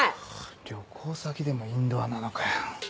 旅行先でもインドアなのかよ。